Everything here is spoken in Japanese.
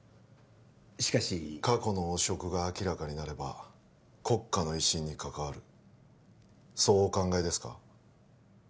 しかし過去の汚職が明らかになれば国家の威信に関わるそうお考えですか？